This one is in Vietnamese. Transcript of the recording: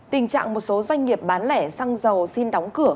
tình trạng một số doanh nghiệp bán lẻ xăng dầu xin đóng cửa